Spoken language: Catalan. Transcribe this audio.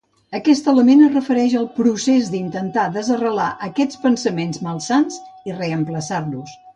Aquest element es refereix al procés d'intentar desarrelar aquests pensaments malsans i reemplaçar-los.